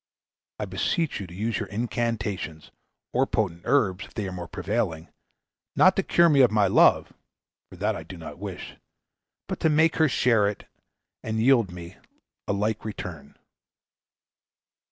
I beseech you to use your incantations, or potent herbs, if they are more prevailing, not to cure me of my love, for that I do not wish, but to make her share it and yield me a like return."